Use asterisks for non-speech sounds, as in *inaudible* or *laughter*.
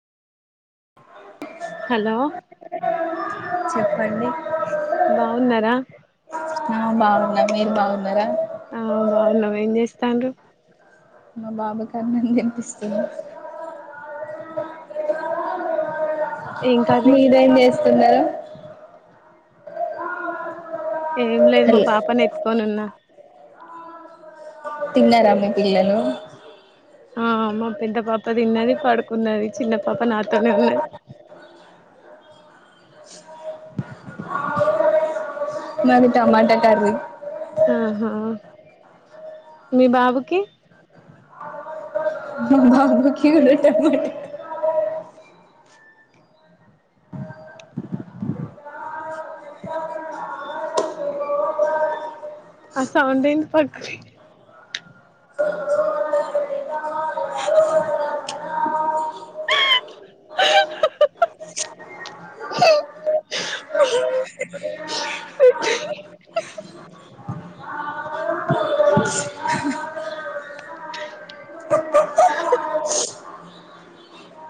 hello చెప్పండి బావున్నారా బాగున్నా ఆ మీరు బాగున్నారా ఆ బాగున్నామ్ ఏం చేస్తాన్రూ మా బాబుక్ అన్నం తినిపిస్తున్నా ఏం కర్రీ మీరేం చేస్ తిన్నారా ఏం లేదు మా హలో పాపనీ ఎత్తుకొని ఉన్నా తిన్నారా మీ పిల్లలు ఆహ్ మా పెద్ద పాప తిన్నది పడుకున్నది చిన్న పాప నాతోనే ఉన్నది మాది టమాట కర్రీ ఆహా మీ బాబుకి మా బాబుకి *unintelligible* ఆ సౌండ్ ఎందుకోచ్చి